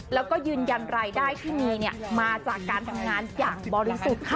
แล้วก็ยืนยันรายได้ที่มีมาจากการทำงานอย่างบริสุทธิ์ค่ะ